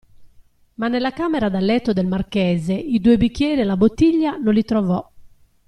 Ma nella camera da letto del marchese i due bicchieri e la bottiglia non li trovò.